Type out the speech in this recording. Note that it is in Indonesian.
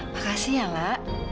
makasih ya lak